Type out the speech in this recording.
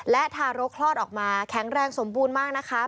และทารกคลอดออกมาแข็งแรงสมบูรณ์มากนะคะ